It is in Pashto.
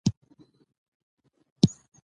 علم د ژوند د ښه والي وسیله ده.